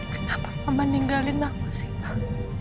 kenapa mama ninggalin aku sih pak